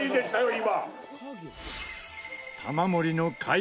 今。